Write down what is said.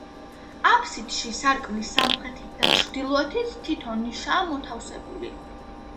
აბსიდში სარკმლის სამხრეთით და ჩრდილოეთით თითო ნიშაა მოთავსებული.